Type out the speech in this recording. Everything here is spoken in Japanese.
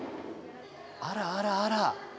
あらあらあら。